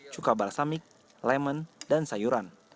cuka balsamik lemon dan sayuran